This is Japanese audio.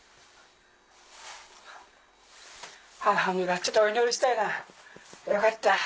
ちょっとお祈りしたいなよかった。